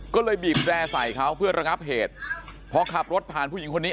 ก็เลยบีบแร่ใส่เขาเพื่อระงับเหตุพอขับรถผ่านผู้หญิงคนนี้